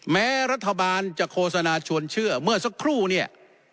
แม้รัฐบาลจะโฆษณาชวนเชื่อเมื่อสักครู่เนี่ย